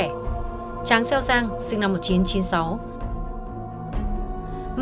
tráng xeo sang sinh năm một nghìn chín trăm chín mươi sáu